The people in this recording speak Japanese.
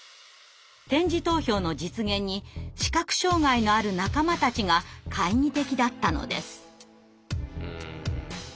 点字投票の実現に視覚障害のある仲間たちが懐疑的だったのです。